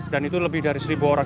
dan itu lebih dari seribu orang